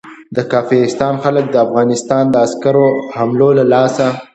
د کافرستان خلک د افغانستان د عسکرو حملو له لاسه.